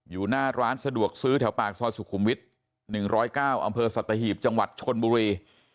อยู่หน้าร้านสะดวกซื้อแถวปากซอยสุขุมวิทย์๑๐๙อำเภอสัตหีบจังหวัดชนบุรี